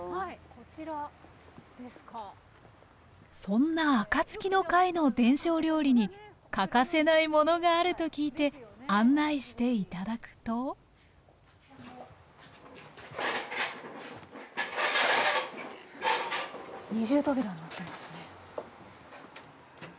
そんなあかつきの会の伝承料理に欠かせないものがあると聞いて案内して頂くと二重扉になってますね。